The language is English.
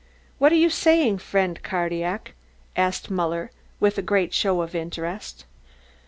"What were you saying, friend Cardillac?" asked Muller with a great show of interest.